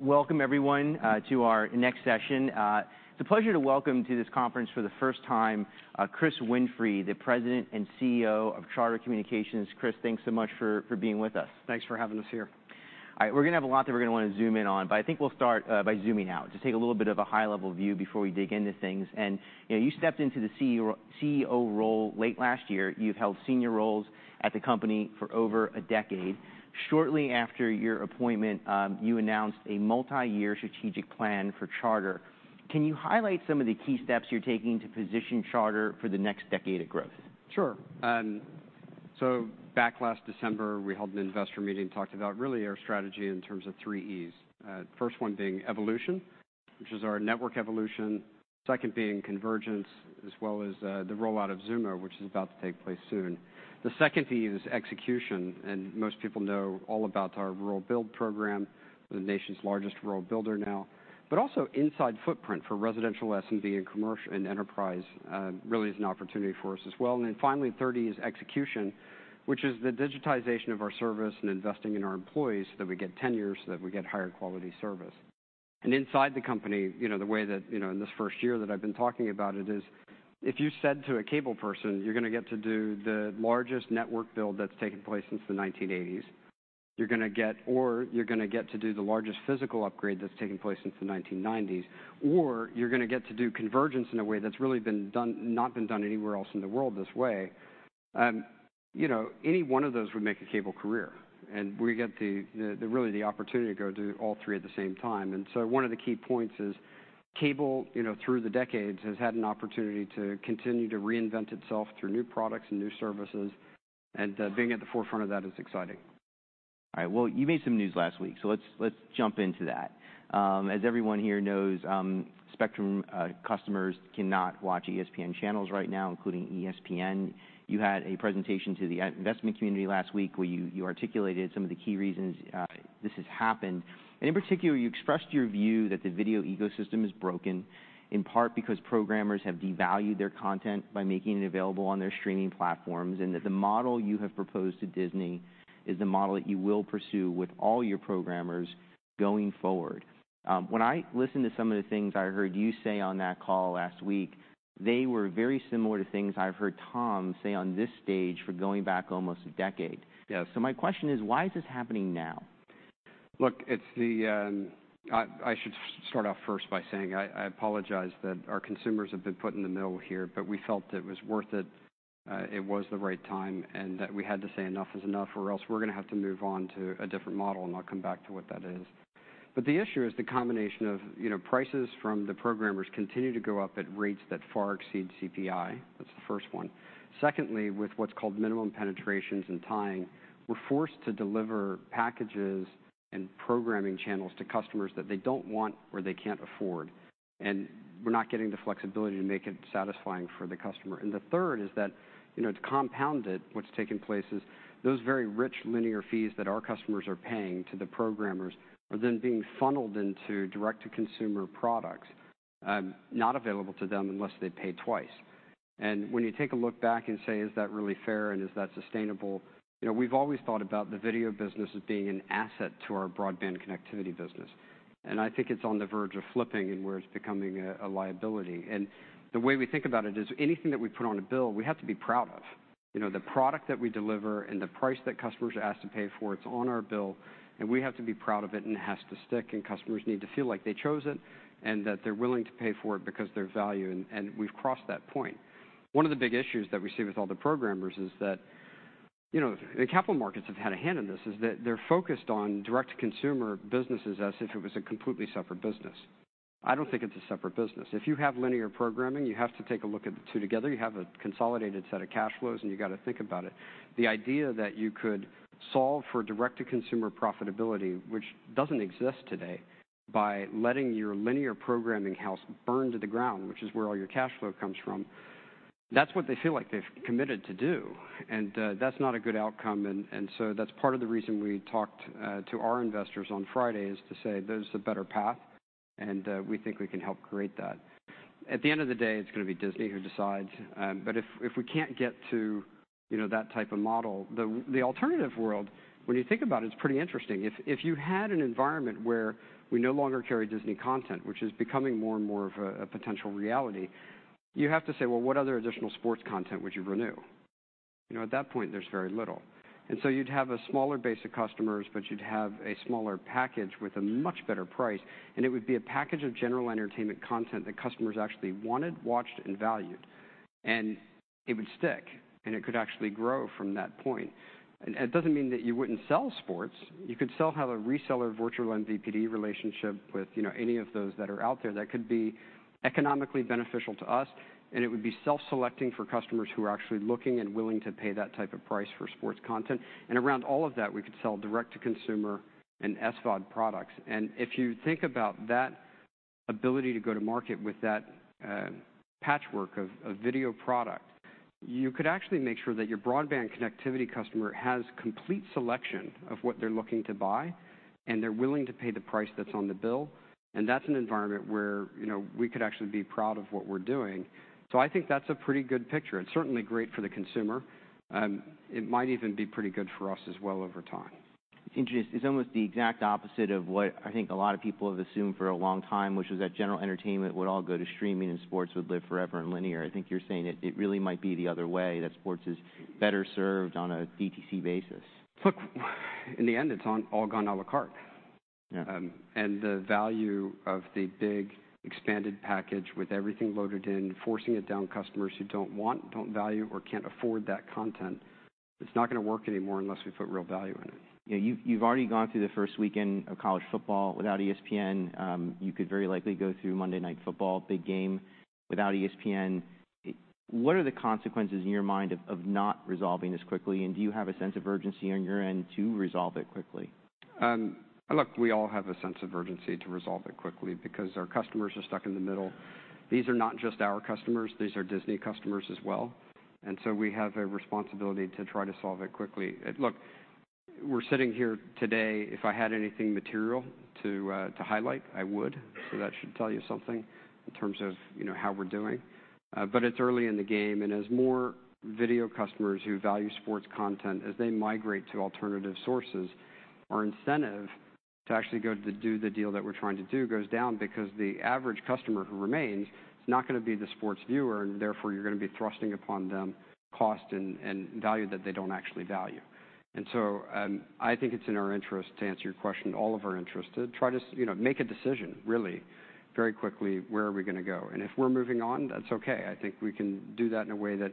Welcome, everyone, to our next session. It's a pleasure to welcome to this conference for the first time, Chris Winfrey, the President and CEO of Charter Communications. Chris, thanks so much for, for being with us. Thanks for having us here. All right. We're gonna have a lot that we're gonna wanna zoom in on, but I think we'll start by zooming out, just take a little bit of a high-level view before we dig into things. And, you know, you stepped into the CEO role late last year. You've held senior roles at the company for over a decade. Shortly after your appointment, you announced a multi-year strategic plan for Charter. Can you highlight some of the key steps you're taking to position Charter for the next decade of growth? Sure. So back last December, we held an investor meeting, talked about really our strategy in terms of three E's. The first one being evolution, which is our network evolution. Second being convergence, as well as the rollout of Xumo, which is about to take place soon. The second E is expansion, and most people know all about our rural build program, the nation's largest rural builder now, but also inside footprint for residential SMB and commercial and enterprise, really is an opportunity for us as well. And then finally, the third E is expansion, which is the digitization of our service and investing in our employees, so that we get tenure, so that we get higher quality service. Inside the company, you know, the way that, you know, in this first year that I've been talking about it is, if you said to a cable person, "You're gonna get to do the largest network build that's taken place since the 1980s, you're gonna get... Or you're gonna get to do the largest physical upgrade that's taken place since the 1990s, or you're gonna get to do convergence in a way that's really been done, not been done anywhere else in the world this way." You know, any one of those would make a cable career, and we get the really the opportunity to go do all three at the same time. One of the key points is cable, you know, through the decades, has had an opportunity to continue to reinvent itself through new products and new services, and being at the forefront of that is exciting. All right. Well, you made some news last week, so let's, let's jump into that. As everyone here knows, Spectrum customers cannot watch ESPN channels right now, including ESPN. You had a presentation to the investment community last week where you, you articulated some of the key reasons this has happened. And in particular, you expressed your view that the video ecosystem is broken, in part because programmers have devalued their content by making it available on their streaming platforms, and that the model you have proposed to Disney is the model that you will pursue with all your programmers going forward. When I listened to some of the things I heard you say on that call last week, they were very similar to things I've heard Tom say on this stage for going back almost a decade. Yeah. My question is, why is this happening now? Look, it's the... I should start off first by saying I apologize that our consumers have been put in the middle here, but we felt it was worth it, it was the right time, and that we had to say enough is enough, or else we're gonna have to move on to a different model, and I'll come back to what that is. But the issue is the combination of, you know, prices from the programmers continue to go up at rates that far exceed CPI. That's the first one. Secondly, with what's called minimum penetrations and tying, we're forced to deliver packages and programming channels to customers that they don't want or they can't afford, and we're not getting the flexibility to make it satisfying for the customer. And the third is that, you know, to compound it, what's taken place is those very rich linear fees that our customers are paying to the programmers are then being funneled into direct-to-consumer products, not available to them unless they pay twice. And when you take a look back and say, "Is that really fair, and is that sustainable?" You know, we've always thought about the video business as being an asset to our broadband connectivity business, and I think it's on the verge of flipping and where it's becoming a liability. And the way we think about it is, anything that we put on a bill, we have to be proud of. You know, the product that we deliver and the price that customers are asked to pay for, it's on our bill, and we have to be proud of it, and it has to stick, and customers need to feel like they chose it, and that they're willing to pay for it because there's value, and, and we've crossed that point. One of the big issues that we see with all the programmers is that, you know, the capital markets have had a hand in this, is that they're focused on direct-to-consumer businesses as if it was a completely separate business. I don't think it's a separate business. If you have linear programming, you have to take a look at the two together. You have a consolidated set of cash flows, and you've got to think about it. The idea that you could solve for direct-to-consumer profitability, which doesn't exist today, by letting your linear programming house burn to the ground, which is where all your cash flow comes from, that's what they feel like they've committed to do, and that's not a good outcome. And so that's part of the reason we talked to our investors on Friday is to say, "There's a better path, and we think we can help create that." At the end of the day, it's gonna be Disney who decides, but if we can't get to, you know, that type of model, the alternative world, when you think about it, is pretty interesting. If you had an environment where we no longer carry Disney content, which is becoming more and more of a potential reality, you have to say, "Well, what other additional sports content would you renew?" You know, at that point, there's very little. And so you'd have a smaller base of customers, but you'd have a smaller package with a much better price, and it would be a package of general entertainment content that customers actually wanted, watched, and valued. And it would stick, and it could actually grow from that point. And it doesn't mean that you wouldn't sell sports. You could still have a reseller, virtual MVPD relationship with, you know, any of those that are out there. That could be economically beneficial to us, and it would be self-selecting for customers who are actually looking and willing to pay that type of price for sports content. And around all of that, we could sell direct to consumer and SVOD products. And if you think about that ability to go to market with that patchwork of video product, you could actually make sure that your broadband connectivity customer has complete selection of what they're looking to buy, and they're willing to pay the price that's on the bill. And that's an environment where, you know, we could actually be proud of what we're doing. So I think that's a pretty good picture. It's certainly great for the consumer. It might even be pretty good for us as well over time.... It's interesting, it's almost the exact opposite of what I think a lot of people have assumed for a long time, which was that general entertainment would all go to streaming and sports would live forever in linear. I think you're saying it, it really might be the other way, that sports is better served on a DTC basis. Look, in the end, it's all gone à la carte. Yeah. And the value of the big expanded package with everything loaded in, forcing it down customers who don't want, don't value, or can't afford that content, it's not gonna work anymore unless we put real value in it. Yeah, you've already gone through the first weekend of college football without ESPN. You could very likely go through Monday Night Football, big game, without ESPN. What are the consequences in your mind of not resolving this quickly? And do you have a sense of urgency on your end to resolve it quickly? Look, we all have a sense of urgency to resolve it quickly because our customers are stuck in the middle. These are not just our customers; these are Disney customers as well. And so we have a responsibility to try to solve it quickly. Look, we're sitting here today. If I had anything material to highlight, I would. So that should tell you something in terms of, you know, how we're doing. But it's early in the game, and as more video customers who value sports content, as they migrate to alternative sources, our incentive to actually go to do the deal that we're trying to do goes down because the average customer who remains is not gonna be the sports viewer, and therefore, you're gonna be thrusting upon them cost and value that they don't actually value. And so, I think it's in our interest, to answer your question, all of our interests, to try to, you know, make a decision really very quickly, where are we gonna go? And if we're moving on, that's okay. I think we can do that in a way that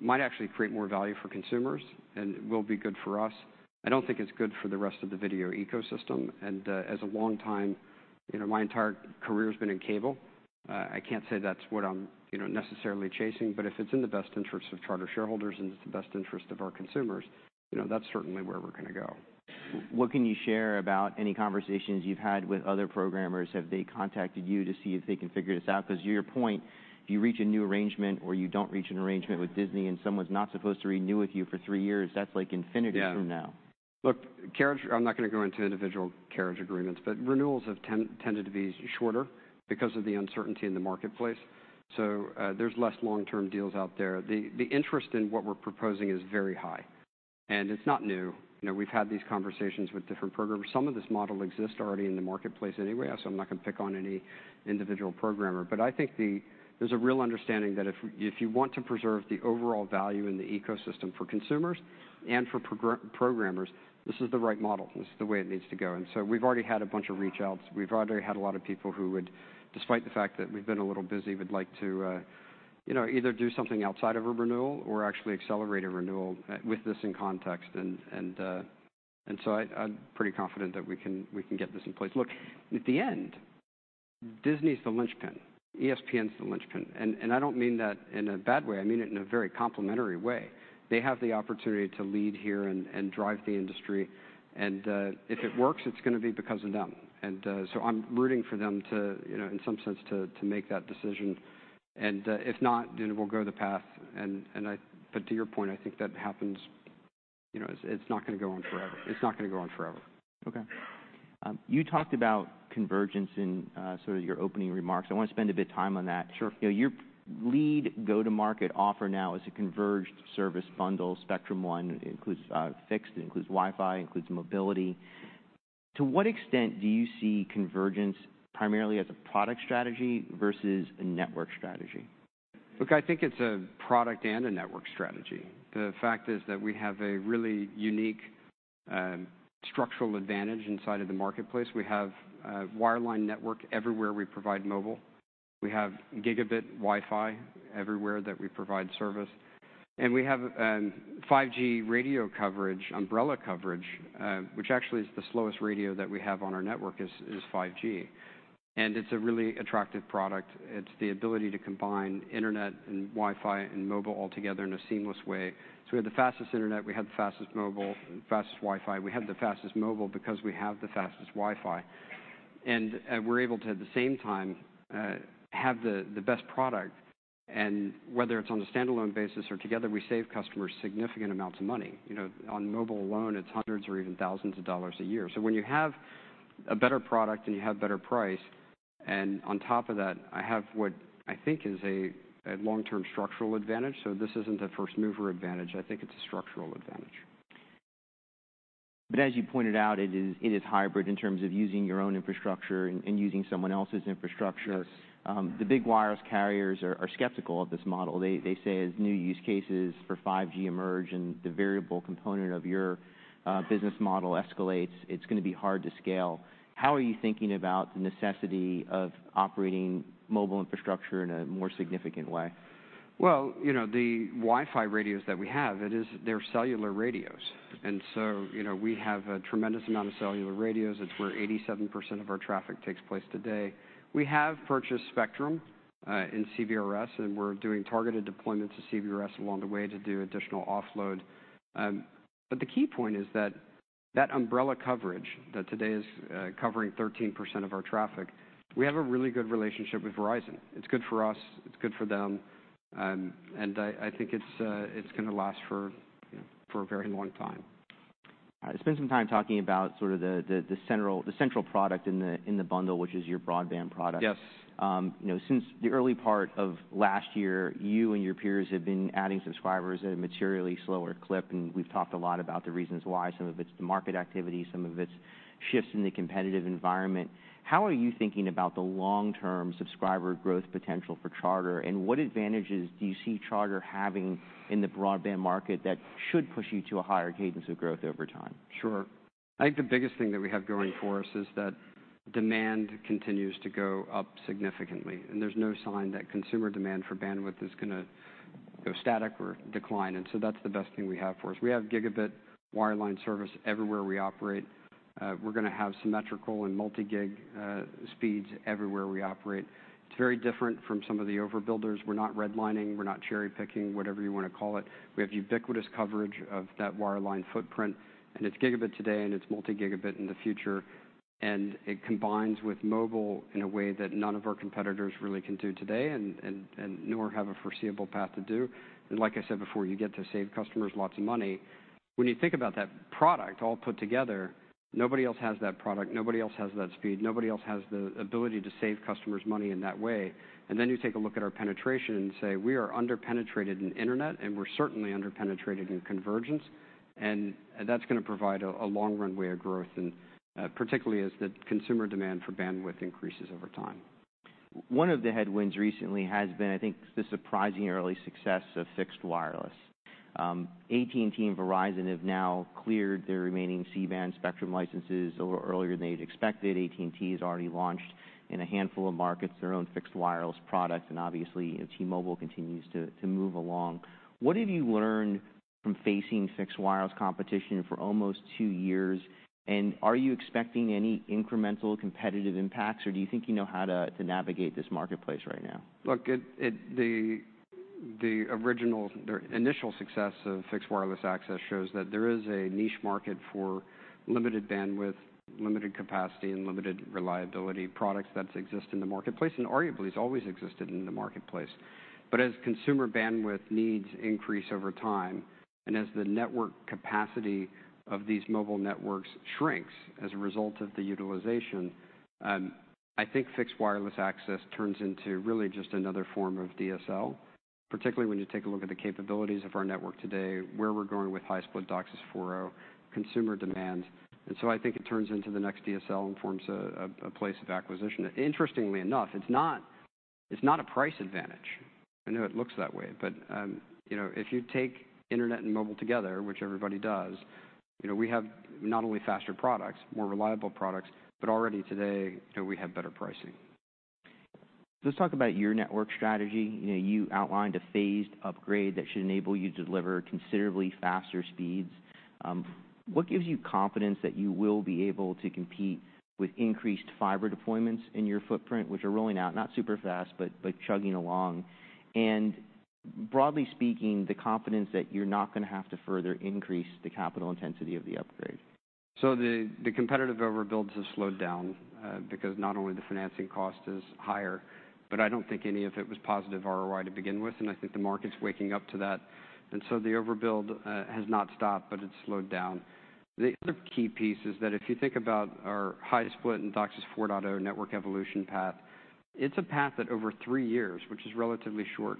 might actually create more value for consumers and will be good for us. I don't think it's good for the rest of the video ecosystem, and, as a long time... You know, my entire career has been in cable. I can't say that's what I'm, you know, necessarily chasing, but if it's in the best interest of Charter shareholders and it's the best interest of our consumers, you know, that's certainly where we're gonna go. What can you share about any conversations you've had with other programmers? Have they contacted you to see if they can figure this out? Because to your point, if you reach a new arrangement or you don't reach an arrangement with Disney and someone's not supposed to renew with you for three years, that's like infinity from now. Yeah. Look, carriage—I'm not gonna go into individual carriage agreements, but renewals have tended to be shorter because of the uncertainty in the marketplace, so there's less long-term deals out there. The interest in what we're proposing is very high, and it's not new. You know, we've had these conversations with different programmers. Some of this model exists already in the marketplace anyway, so I'm not gonna pick on any individual programmer. But I think there's a real understanding that if you want to preserve the overall value in the ecosystem for consumers and for programmers, this is the right model. This is the way it needs to go. And so we've already had a bunch of reach outs. We've already had a lot of people who would, despite the fact that we've been a little busy, would like to, you know, either do something outside of a renewal or actually accelerate a renewal with this in context. And so I'm pretty confident that we can get this in place. Look, at the end, Disney's the linchpin. ESPN's the linchpin. And I don't mean that in a bad way, I mean it in a very complimentary way. They have the opportunity to lead here and drive the industry, and if it works, it's gonna be because of them. And so I'm rooting for them to, you know, in some sense, to make that decision, and if not, then we'll go the path. But to your point, I think that happens... You know, it's, it's not gonna go on forever. It's not gonna go on forever. Okay. You talked about convergence in sort of your opening remarks. I want to spend a bit of time on that. Sure. You know, your lead go-to-market offer now is a converged service bundle. Spectrum One includes fixed, it includes Wi-Fi, includes mobility. To what extent do you see convergence primarily as a product strategy versus a network strategy? Look, I think it's a product and a network strategy. The fact is that we have a really unique structural advantage inside of the marketplace. We have a wireline network everywhere we provide mobile. We have gigabit Wi-Fi everywhere that we provide service. And we have 5G radio coverage, umbrella coverage, which actually is the slowest radio that we have on our network is 5G. And it's a really attractive product. It's the ability to combine internet and Wi-Fi and mobile all together in a seamless way. So we have the fastest internet, we have the fastest mobile, fastest Wi-Fi. We have the fastest mobile because we have the fastest Wi-Fi. And we're able to, at the same time, have the best product, and whether it's on a standalone basis or together, we save customers significant amounts of money. You know, on mobile alone, it's hundreds or even thousands of dollars a year. So when you have a better product and you have better price, and on top of that, I have what I think is a long-term structural advantage. So this isn't a first-mover advantage, I think it's a structural advantage. But as you pointed out, it is hybrid in terms of using your own infrastructure and using someone else's infrastructure. Yes. The big wireless carriers are skeptical of this model. They say as new use cases for 5G emerge and the variable component of your business model escalates, it's gonna be hard to scale. How are you thinking about the necessity of operating mobile infrastructure in a more significant way? Well, you know, the Wi-Fi radios that we have, it is, they're cellular radios, and so, you know, we have a tremendous amount of cellular radios. It's where 87% of our traffic takes place today. We have purchased spectrum in CBRS, and we're doing targeted deployments to CBRS along the way to do additional offload. But the key point is that umbrella coverage that today is covering 13% of our traffic, we have a really good relationship with Verizon. It's good for us, it's good for them, and I think it's gonna last for, you know, for a very long time. ... I spent some time talking about sort of the central product in the bundle, which is your broadband product. Yes. You know, since the early part of last year, you and your peers have been adding subscribers at a materially slower clip, and we've talked a lot about the reasons why. Some of it's the market activity, some of it's shifts in the competitive environment. How are you thinking about the long-term subscriber growth potential for Charter, and what advantages do you see Charter having in the broadband market that should push you to a higher cadence of growth over time? Sure. I think the biggest thing that we have going for us is that demand continues to go up significantly, and there's no sign that consumer demand for bandwidth is gonna go static or decline, and so that's the best thing we have for us. We have gigabit wireline service everywhere we operate. We're gonna have symmetrical and multi-gig speeds everywhere we operate. It's very different from some of the overbuilders. We're not redlining. We're not cherry-picking, whatever you wanna call it. We have ubiquitous coverage of that wireline footprint, and it's gigabit today, and it's multi-gigabit in the future, and it combines with mobile in a way that none of our competitors really can do today and nor have a foreseeable path to do. And like I said before, you get to save customers lots of money. When you think about that product all put together, nobody else has that product. Nobody else has that speed. Nobody else has the ability to save customers money in that way. And then you take a look at our penetration and say, "We are under-penetrated in internet, and we're certainly under-penetrated in convergence," and that's gonna provide a long runway of growth, and particularly as the consumer demand for bandwidth increases over time. One of the headwinds recently has been, I think, the surprising early success of fixed wireless. AT&T and Verizon have now cleared their remaining C-band spectrum licenses a little earlier than they'd expected. AT&T has already launched in a handful of markets their own fixed wireless product, and obviously, T-Mobile continues to move along. What have you learned from facing fixed wireless competition for almost two years, and are you expecting any incremental competitive impacts, or do you think you know how to navigate this marketplace right now? Look, the original, or initial success of fixed wireless access shows that there is a niche market for limited bandwidth, limited capacity, and limited reliability products that exist in the marketplace and arguably has always existed in the marketplace. But as consumer bandwidth needs increase over time, and as the network capacity of these mobile networks shrinks as a result of the utilization, I think fixed wireless access turns into really just another form of DSL, particularly when you take a look at the capabilities of our network today, where we're going with high-split DOCSIS 4.0, consumer demand. And so I think it turns into the next DSL and forms a place of acquisition. Interestingly enough, it's not a price advantage. I know it looks that way, but, you know, if you take internet and mobile together, which everybody does, you know, we have not only faster products, more reliable products, but already today, you know, we have better pricing. Let's talk about your network strategy. You know, you outlined a phased upgrade that should enable you to deliver considerably faster speeds. What gives you confidence that you will be able to compete with increased fiber deployments in your footprint, which are rolling out not super fast, but chugging along, and broadly speaking, the confidence that you're not gonna have to further increase the capital intensity of the upgrade? So the competitive overbuilds have slowed down, because not only the financing cost is higher, but I don't think any of it was positive ROI to begin with, and I think the market's waking up to that. And so the overbuild has not stopped, but it's slowed down. The other key piece is that if you think about our high split in DOCSIS 4.0 network evolution path, it's a path that over three years, which is relatively short,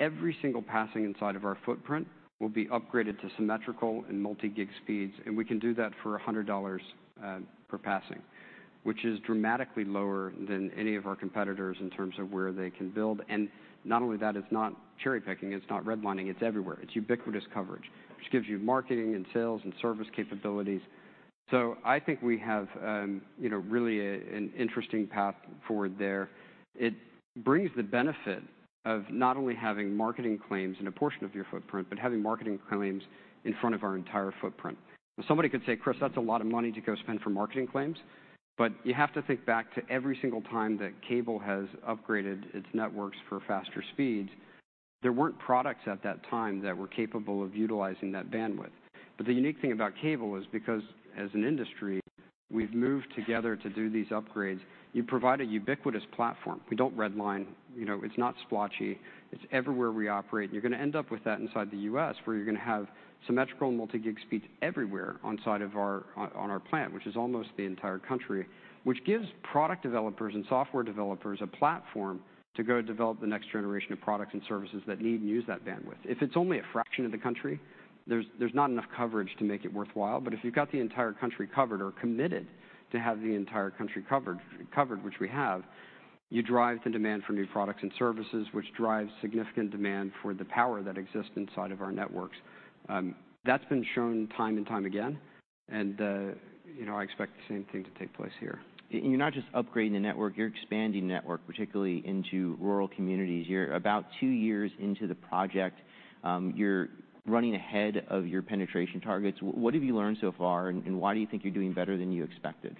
every single passing inside of our footprint will be upgraded to symmetrical and multi-gig speeds, and we can do that for $100 per passing, which is dramatically lower than any of our competitors in terms of where they can build. And not only that, it's not cherry-picking, it's not redlining, it's everywhere. It's ubiquitous coverage, which gives you marketing and sales and service capabilities. So I think we have, you know, really an interesting path forward there. It brings the benefit of not only having marketing claims in a portion of your footprint, but having marketing claims in front of our entire footprint. Somebody could say, "Chris, that's a lot of money to go spend for marketing claims." But you have to think back to every single time that cable has upgraded its networks for faster speeds. There weren't products at that time that were capable of utilizing that bandwidth. But the unique thing about cable is because, as an industry, we've moved together to do these upgrades, you provide a ubiquitous platform. We don't redline. You know, it's not splotchy. It's everywhere we operate. You're gonna end up with that inside the U.S., where you're gonna have symmetrical multi-gig speeds everywhere on our planet, which is almost the entire country, which gives product developers and software developers a platform to go develop the next generation of products and services that need and use that bandwidth. If it's only a fraction of the country, there's not enough coverage to make it worthwhile, but if you've got the entire country covered or committed to have the entire country covered, which we have, you drive the demand for new products and services, which drives significant demand for the power that exists inside of our networks. That's been shown time and time again, and you know, I expect the same thing to take place here. You're not just upgrading the network, you're expanding network, particularly into rural communities. You're about two years into the project. You're running ahead of your penetration targets. What have you learned so far, and why do you think you're doing better than you expected?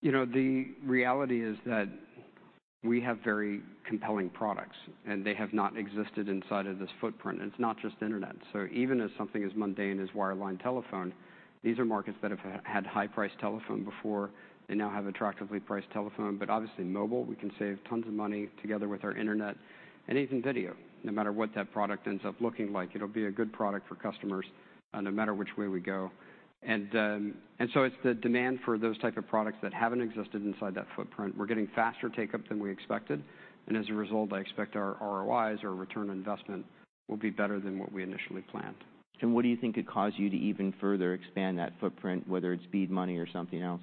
You know, the reality is that we have very compelling products, and they have not existed inside of this footprint, and it's not just internet. So even as something as mundane as wireline telephone. These are markets that have had high-priced telephone before. They now have attractively priced telephone, but obviously mobile, we can save tons of money together with our internet and even video, no matter what that product ends up looking like. It'll be a good product for customers, no matter which way we go. And so it's the demand for those type of products that haven't existed inside that footprint. We're getting faster take-up than we expected, and as a result, I expect our ROIs, or return on investment, will be better than what we initially planned. What do you think could cause you to even further expand that footprint, whether it's BEAD money or something else?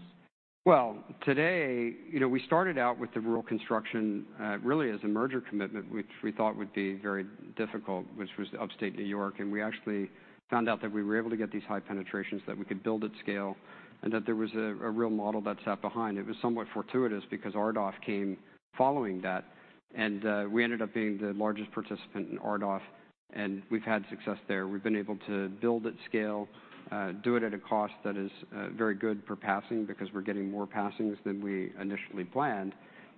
Well, today, you know, we started out with the rural construction, really, as a merger commitment, which we thought would be very difficult, which was upstate New York, and we actually found out that we were able to get these high penetrations, that we could build at scale, and that there was a real model that sat behind. It was somewhat fortuitous because RDOF came following that, and we ended up being the largest participant in RDOF, and we've had success there. We've been able to build at scale, do it at a cost that is very good for passing, because we're getting more passings than we initially planned.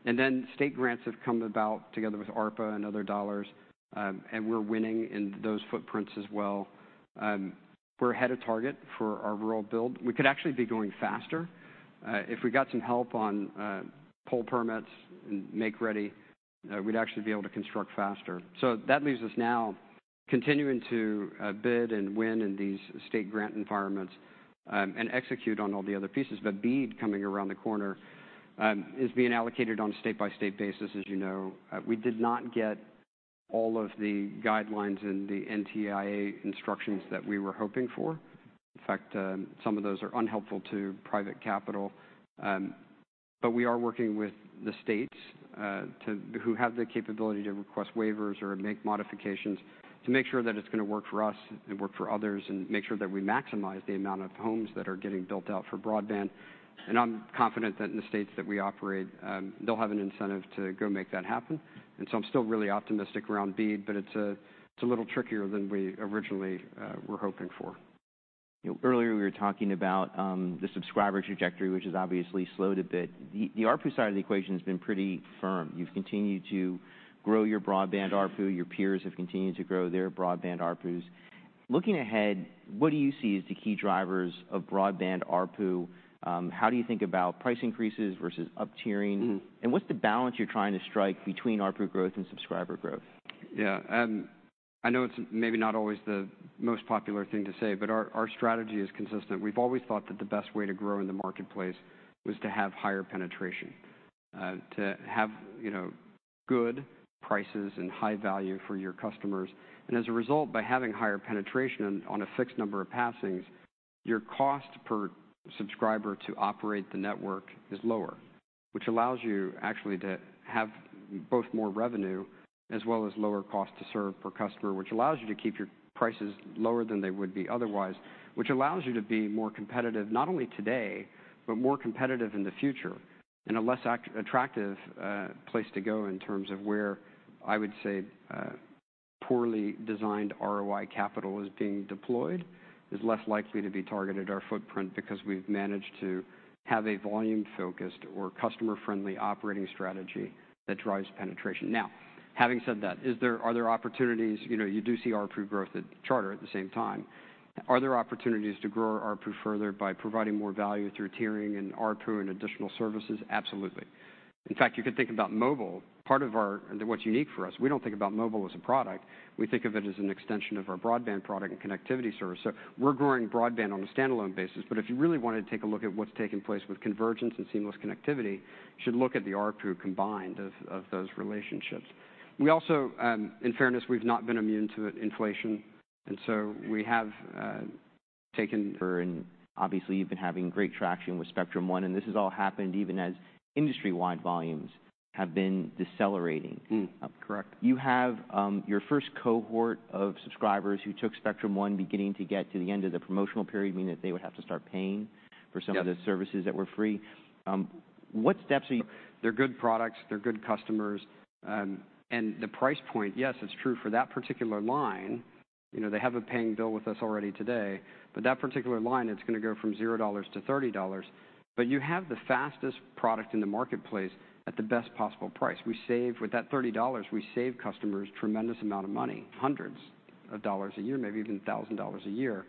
And then state grants have come about together with ARPA and other dollars, and we're winning in those footprints as well. We're ahead of target for our rural build. We could actually be going faster. If we got some help on pole permits and make-ready, we'd actually be able to construct faster. So that leaves us now continuing to bid and win in these state grant environments and execute on all the other pieces. But BEAD coming around the corner is being allocated on a state-by-state basis, as you know. We did not get all of the guidelines and the NTIA instructions that we were hoping for. In fact, some of those are unhelpful to private capital. But we are working with the states who have the capability to request waivers or make modifications, to make sure that it's gonna work for us and work for others, and make sure that we maximize the amount of homes that are getting built out for broadband. I'm confident that in the states that we operate, they'll have an incentive to go make that happen, and so I'm still really optimistic around BEAD, but it's a little trickier than we originally were hoping for. Earlier, we were talking about the subscriber trajectory, which has obviously slowed a bit. The ARPU side of the equation has been pretty firm. You've continued to grow your broadband ARPU. Your peers have continued to grow their broadband ARPUs. Looking ahead, what do you see as the key drivers of broadband ARPU? How do you think about price increases versus uptiering? Mm-hmm. What's the balance you're trying to strike between ARPU growth and subscriber growth? Yeah. I know it's maybe not always the most popular thing to say, but our strategy is consistent. We've always thought that the best way to grow in the marketplace was to have higher penetration, to have, you know, good prices and high value for your customers. And as a result, by having higher penetration on a fixed number of passings, your cost per subscriber to operate the network is lower, which allows you actually to have both more revenue as well as lower cost to serve per customer, which allows you to keep your prices lower than they would be otherwise, which allows you to be more competitive, not only today, but more competitive in the future. In a less attractive place to go in terms of where, I would say, poorly designed ROI capital is being deployed, is less likely to be targeted our footprint, because we've managed to have a volume-focused or customer-friendly operating strategy that drives penetration. Now, having said that, are there opportunities? You know, you do see ARPU growth at Charter at the same time. Are there opportunities to grow our ARPU further by providing more value through tiering and ARPU and additional services? Absolutely. In fact, you could think about mobile. And what's unique for us, we don't think about mobile as a product. We think of it as an extension of our broadband product and connectivity service. So we're growing broadband on a standalone basis, but if you really want to take a look at what's taking place with convergence and seamless connectivity, you should look at the ARPU combined of those relationships. We also, in fairness, we've not been immune to inflation, and so we have taken- Obviously, you've been having great traction with Spectrum One, and this has all happened even as industry-wide volumes have been decelerating. Mm-hmm. Correct. You have, your first cohort of subscribers who took Spectrum One beginning to get to the end of the promotional period, meaning that they would have to start paying- Yeah. -for some of the services that were free. What steps are you- They're good products, they're good customers. And the price point, yes, it's true for that particular line. You know, they have a paying bill with us already today, but that particular line, it's gonna go from $0 to $30. But you have the fastest product in the marketplace at the best possible price. With that $30, we save customers a tremendous amount of money, hundreds of dollars a year, maybe even $1,000 a year.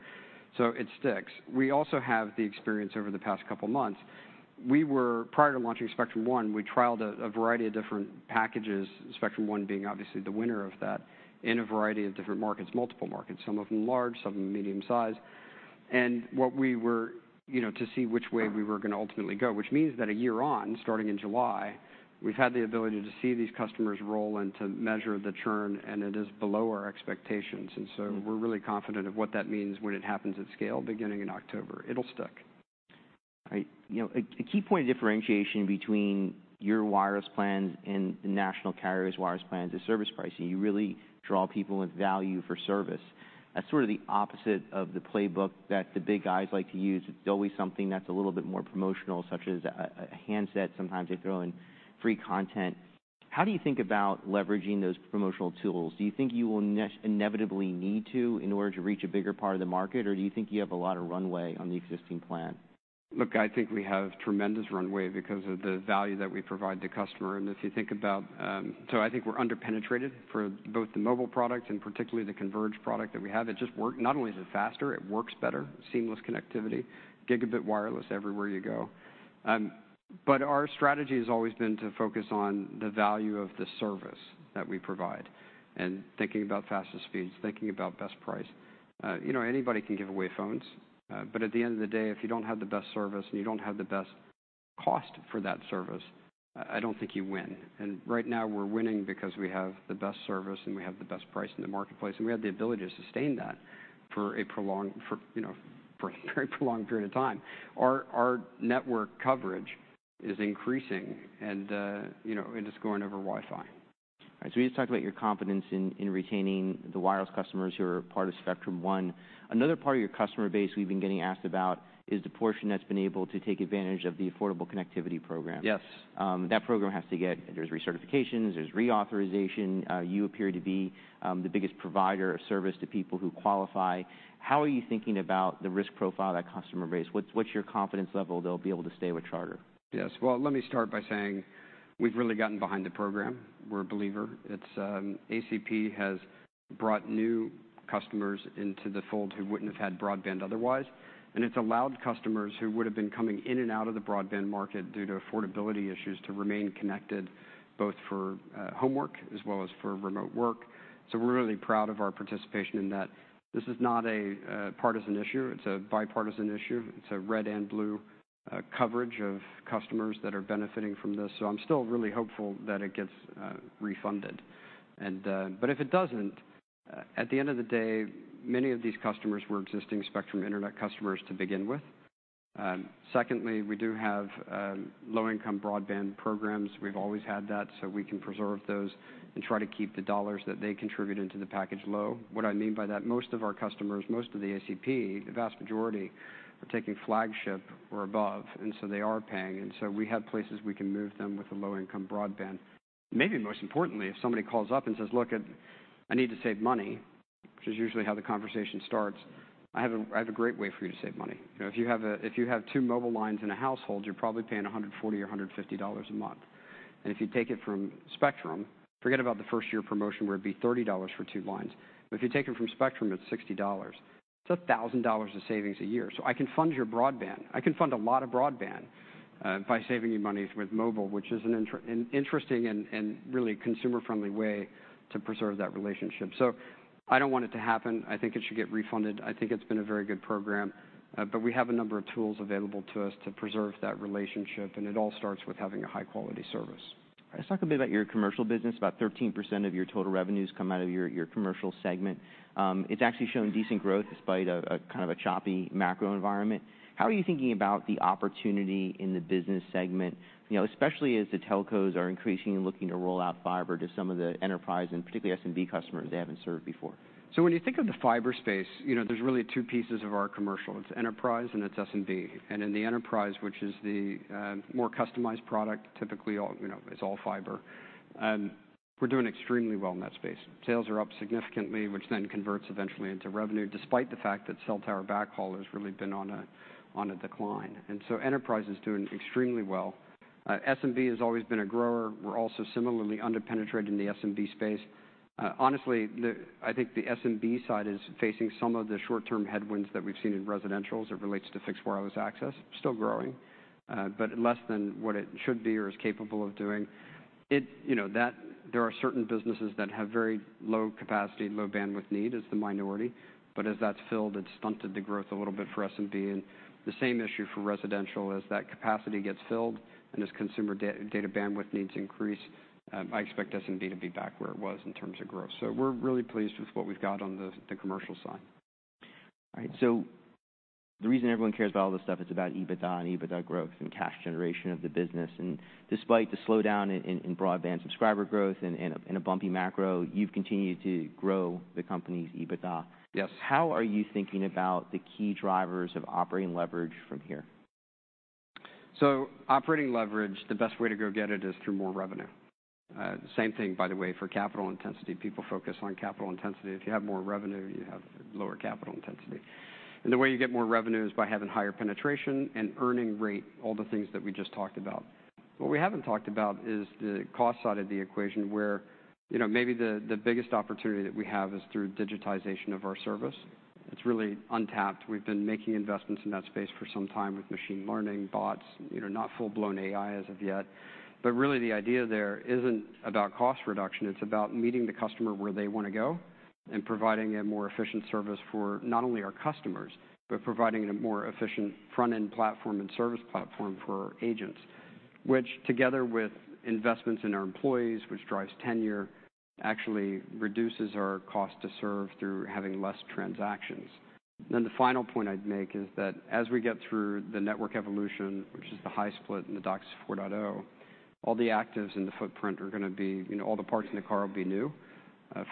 So it sticks. We also have the experience over the past couple of months. We were, prior to launching Spectrum One, we trialed a variety of different packages, Spectrum One being obviously the winner of that, in a variety of different markets, multiple markets, some of them large, some of them medium-sized. And what we were... You know, to see which way we were gonna ultimately go, which means that a year on, starting in July, we've had the ability to see these customers roll and to measure the churn, and it is below our expectations. Mm-hmm. And so we're really confident of what that means when it happens at scale, beginning in October. It'll stick. Right. You know, a key point of differentiation between your wireless plans and the national carriers' wireless plans is service pricing. You really draw people with value for service. That's sort of the opposite of the playbook that the big guys like to use. It's always something that's a little bit more promotional, such as a handset. Sometimes they throw in free content. How do you think about leveraging those promotional tools? Do you think you will inevitably need to, in order to reach a bigger part of the market, or do you think you have a lot of runway on the existing plan? ...Look, I think we have tremendous runway because of the value that we provide the customer. And if you think about, so I think we're under-penetrated for both the mobile product and particularly the converged product that we have. Not only is it faster, it works better, seamless connectivity, gigabit wireless everywhere you go. But our strategy has always been to focus on the value of the service that we provide and thinking about fastest speeds, thinking about best price. You know, anybody can give away phones, but at the end of the day, if you don't have the best service and you don't have the best cost for that service, I don't think you win. Right now we're winning because we have the best service, and we have the best price in the marketplace, and we have the ability to sustain that for a prolonged, you know, for a very prolonged period of time. Our network coverage is increasing, and, you know, and it's going over Wi-Fi. All right, so we just talked about your confidence in retaining the wireless customers who are part of Spectrum One. Another part of your customer base we've been getting asked about is the portion that's been able to take advantage of the Affordable Connectivity Program. Yes. That program has to get... There's recertifications, there's reauthorization. You appear to be the biggest provider of service to people who qualify. How are you thinking about the risk profile of that customer base? What's your confidence level they'll be able to stay with Charter? Yes. Well, let me start by saying we've really gotten behind the program. We're a believer. It's ACP has brought new customers into the fold who wouldn't have had broadband otherwise, and it's allowed customers who would have been coming in and out of the broadband market due to affordability issues, to remain connected, both for homework as well as for remote work. So we're really proud of our participation in that. This is not a partisan issue, it's a bipartisan issue. It's a red and blue coverage of customers that are benefiting from this, so I'm still really hopeful that it gets refunded. But if it doesn't, at the end of the day, many of these customers were existing Spectrum Internet customers to begin with. Secondly, we do have low-income broadband programs. We've always had that, so we can preserve those and try to keep the dollars that they contribute into the package low. What I mean by that, most of our customers, most of the ACP, the vast majority, are taking flagship or above, and so they are paying, and so we have places we can move them with a low-income broadband. Maybe most importantly, if somebody calls up and says, "Look, I, I need to save money," which is usually how the conversation starts, "I have a, I have a great way for you to save money. You know, if you have a-- if you have two mobile lines in a household, you're probably paying $140-$150 a month. If you take it from Spectrum, forget about the first-year promotion, where it'd be $30 for two lines, but if you take it from Spectrum, it's $60. It's $1,000 of savings a year. So I can fund your broadband. I can fund a lot of broadband by saving you money with mobile, which is an interesting and really consumer-friendly way to preserve that relationship. So I don't want it to happen. I think it should get refunded. I think it's been a very good program, but we have a number of tools available to us to preserve that relationship, and it all starts with having a high-quality service. Let's talk a bit about your commercial business. About 13% of your total revenues come out of your commercial segment. It's actually shown decent growth despite a kind of choppy macro environment. How are you thinking about the opportunity in the business segment? You know, especially as the telcos are increasingly looking to roll out fiber to some of the enterprise and particularly SMB customers they haven't served before. So when you think of the fiber space, you know, there's really two pieces of our commercial. It's enterprise and it's SMB. And in the enterprise, which is the more customized product, typically all, you know, it's all fiber. And we're doing extremely well in that space. Sales are up significantly, which then converts eventually into revenue, despite the fact that cell tower backhaul has really been on a decline. And so enterprise is doing extremely well. SMB has always been a grower. We're also similarly under-penetrated in the SMB space. Honestly, I think the SMB side is facing some of the short-term headwinds that we've seen in residential as it relates to fixed wireless access. Still growing, but less than what it should be or is capable of doing. You know, that there are certain businesses that have very low capacity, low bandwidth need, as the minority, but as that's filled, it's stunted the growth a little bit for SMB, and the same issue for residential as that capacity gets filled and as consumer data bandwidth needs increase, I expect SMB to be back where it was in terms of growth. So we're really pleased with what we've got on the commercial side. All right. So the reason everyone cares about all this stuff is about EBITDA and EBITDA growth and cash generation of the business. And despite the slowdown in broadband subscriber growth and a bumpy macro, you've continued to grow the company's EBITDA. Yes. How are you thinking about the key drivers of operating leverage from here? So operating leverage, the best way to go get it is through more revenue. Same thing, by the way, for capital intensity. People focus on capital intensity. If you have more revenue, you have lower capital intensity. And the way you get more revenue is by having higher penetration and earning rate, all the things that we just talked about. What we haven't talked about is the cost side of the equation, where, you know, maybe the, the biggest opportunity that we have is through digitization of our service. It's really untapped. We've been making investments in that space for some time with machine learning, bots, you know, not full-blown AI as of yet. But really, the idea there isn't about cost reduction, it's about meeting the customer where they want to go and providing a more efficient service for not only our customers, but providing a more efficient front-end platform and service platform for our agents. Which, together with investments in our employees, which drives tenure, actually reduces our cost to serve through having less transactions. Then the final point I'd make is that as we get through the network evolution, which is the high-split and the DOCSIS 4.0, all the actives in the footprint are gonna be... You know, all the parts in the car will be new,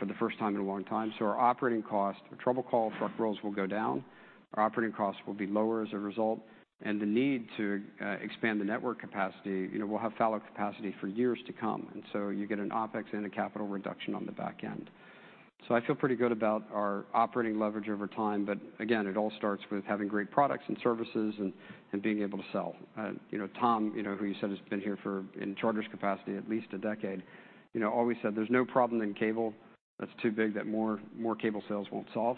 for the first time in a long time. So our operating cost, our trouble call, truck rolls will go down, our operating costs will be lower as a result, and the need to expand the network capacity, you know, we'll have ample capacity for years to come, and so you get an OpEx and a capital reduction on the back end. So I feel pretty good about our operating leverage over time. But again, it all starts with having great products and services and being able to sell. You know, Tom, you know, who you said has been here for, in Charter's capacity, at least a decade, you know, always said, "There's no problem in cable that's too big that more cable sales won't solve."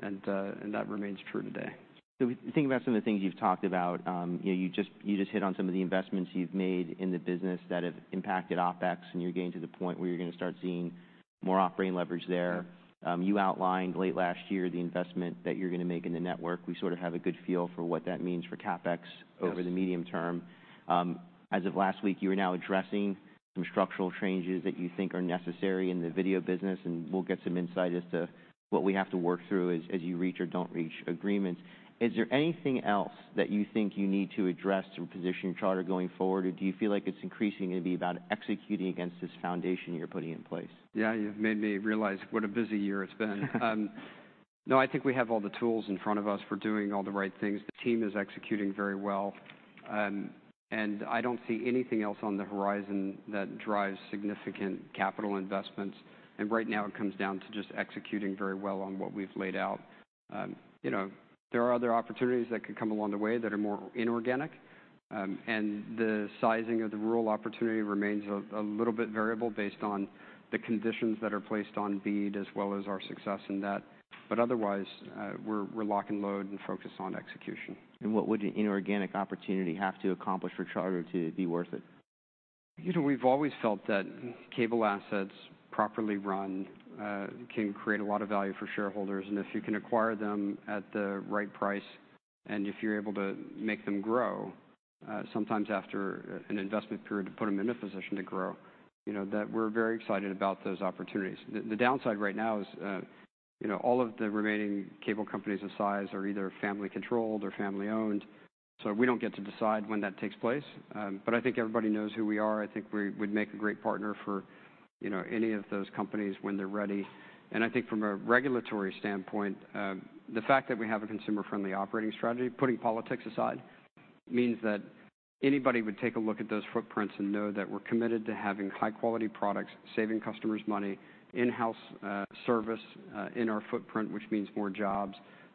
And that remains true today. When you think about some of the things you've talked about, you know, you just, you just hit on some of the investments you've made in the business that have impacted OpEx, and you're getting to the point where you're gonna start seeing more operating leverage there. Mm-hmm. You outlined late last year the investment that you're gonna make in the network. We sort of have a good feel for what that means for CapEx- Yes... over the medium term. As of last week, you are now addressing some structural changes that you think are necessary in the video business, and we'll get some insight as to what we have to work through as you reach or don't reach agreements. Is there anything else that you think you need to address to position Charter going forward, or do you feel like it's increasingly gonna be about executing against this foundation you're putting in place? Yeah, you've made me realize what a busy year it's been. No, I think we have all the tools in front of us for doing all the right things. The team is executing very well. And I don't see anything else on the horizon that drives significant capital investments, and right now it comes down to just executing very well on what we've laid out. You know, there are other opportunities that could come along the way that are more inorganic. And the sizing of the rural opportunity remains a little bit variable based on the conditions that are placed on BEAD, as well as our success in that. But otherwise, we're lock and load and focused on execution. What would an inorganic opportunity have to accomplish for Charter to be worth it? You know, we've always felt that cable assets, properly run, can create a lot of value for shareholders, and if you can acquire them at the right price, and if you're able to make them grow, sometimes after an investment period, to put them in a position to grow, you know, that we're very excited about those opportunities. The downside right now is, you know, all of the remaining cable companies of size are either family-controlled or family-owned, so we don't get to decide when that takes place. But I think everybody knows who we are. I think we would make a great partner for, you know, any of those companies when they're ready. I think from a regulatory standpoint, the fact that we have a consumer-friendly operating strategy, putting politics aside, means that anybody would take a look at those footprints and know that we're committed to having high-quality products, saving customers money, in-house service in our footprint, which means more jobs,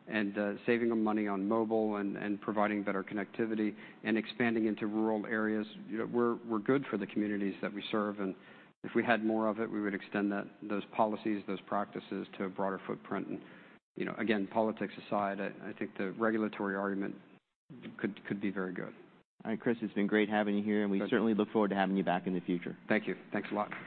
and saving them money on mobile, and providing better connectivity, and expanding into rural areas. You know, we're good for the communities that we serve, and if we had more of it, we would extend that, those policies, those practices, to a broader footprint. You know, again, politics aside, I think the regulatory argument could be very good. All right, Chris, it's been great having you here- Thanks. And we certainly look forward to having you back in the future. Thank you. Thanks a lot.